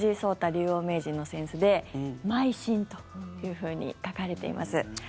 竜王・名人の扇子で「邁進」というふうに書かれています。